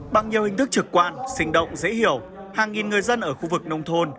bằng nhiều hình thức trực quan sinh động dễ hiểu hàng nghìn người dân ở khu vực nông thôn